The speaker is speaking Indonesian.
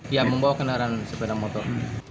yang membawa kendaraan sepeda motor